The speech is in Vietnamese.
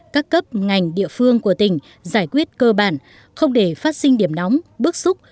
các cấp ngành địa phương của tỉnh giải quyết cơ bản không để phát sinh điểm nóng bức xúc